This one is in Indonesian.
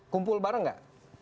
kumpul bareng gak